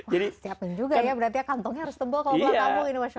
wah siapin juga ya berarti kantongnya harus tebal kalau bukan kamu ini masya allah